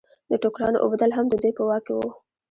د ټوکرانو اوبدل هم د دوی په واک کې وو.